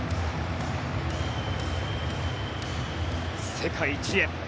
世界一へ。